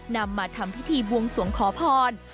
นำมาทำพิธีบวงสวงขอพร